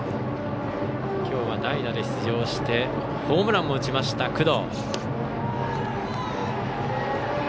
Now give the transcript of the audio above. きょうは代打で出場してホームランも打った工藤。